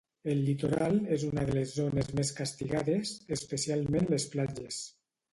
El litoral és una de les zones més castigades, especialment les platges.